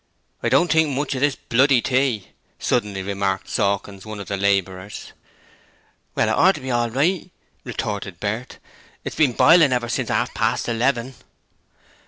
'I don't think much of this bloody tea,' suddenly remarked Sawkins, one of the labourers. 'Well it oughter be all right,' retorted Bert; 'it's been bilin' ever since 'arf past eleven.'